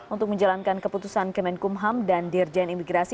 untuk menjalankan keputusan kemenkumham dan dirjen imigrasi